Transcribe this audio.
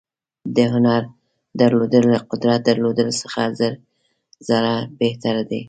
د هنر درلودل له قدرت درلودلو څخه زر ځله بهتر دي.